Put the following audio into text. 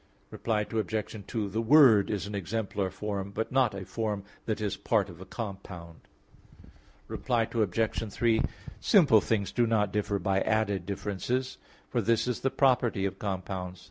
Reply Obj. 2: The Word is an exemplar form; but not a form that is part of a compound. Reply Obj. 3: Simple things do not differ by added differences for this is the property of compounds.